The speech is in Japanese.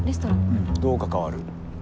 うんどう関わる？